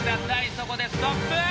そこでストップ！